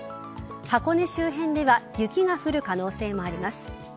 箱根周辺では雪が降る可能性もあります。